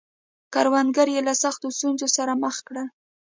کروندګر یې له سختو ستونزو سره مخ کړل.